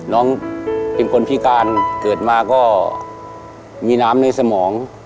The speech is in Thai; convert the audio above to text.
น้องเป็นคนพิการเกิดมาก็มีน้ำในสมอง